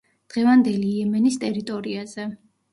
დღევანდელი იემენის ტერიტორიაზე.